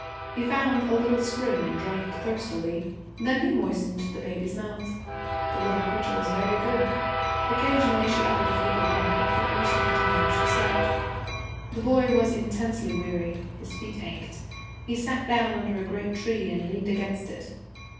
He found a little spring and drank thirstily. Then he moistened the baby's mouth. The little creature was very good. Occasionally she uttered a feeble cry, but most of the time she slept. The boy was intensely weary. His feet ached. He sat down under a great tree and leaned against it.